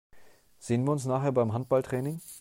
Sehen wir uns nachher beim Handballtraining?